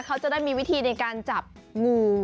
เขาจะได้มีวิธีในการจับงู